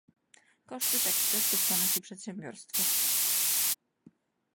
Koszty takich testów ponosi przedsiębiorstwo